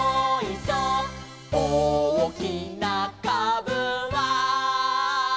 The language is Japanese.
「おおきなかぶは」